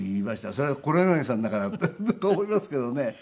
それは黒柳さんだからだと思いますけどね。